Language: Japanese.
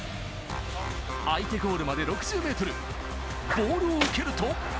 相手ゴールまで６０ｍ、ボールを受けると。